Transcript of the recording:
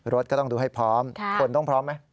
รถก็ต้องดูให้พร้อมคนต้องพร้อมไหม